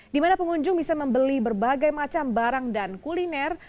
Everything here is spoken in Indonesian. di mana pengunjung bisa membeli berbagai macam barang dan kuliner